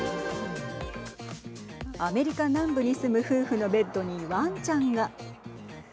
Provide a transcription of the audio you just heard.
アメリカ南部に住む夫婦のベッドにワンちゃんが。